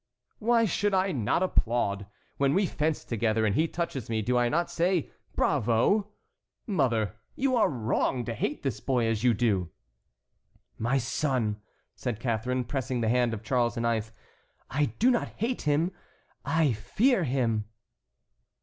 "Why should I not applaud? When we fence together and he touches me do I not say 'bravo'? Mother, you are wrong to hate this boy as you do." "My son," said Catharine, pressing the hand of Charles IX., "I do not hate him, I fear him."